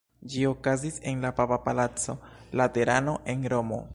Ĝi okazis en la papa palaco Laterano en Romo.